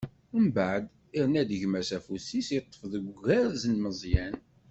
Mbeɛb, irna-d gma-s, afus-is iṭṭef deg ugerz n Meẓyan.